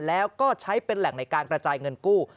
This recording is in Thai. แล้วก็ใช้เป็นแหล่งในการกระจายเงินกู้